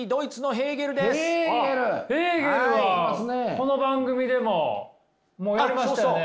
ヘーゲルはこの番組でももうやりましたよね？